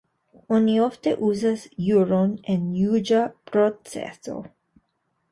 Oni ofte uzas ĵuron en juĝa proceso.